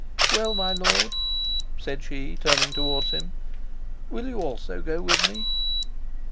"Well, my lord," said she, turning towards him, "will you also go with me?"